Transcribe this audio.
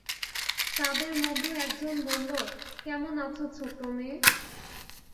তাদের মধ্যে একজন বলল, কেমন আছ ছোট্ট মেয়ে?